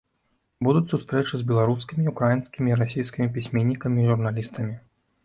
Будуць сустрэчы з беларускімі, украінскімі і расейскімі пісьменнікамі і журналістамі.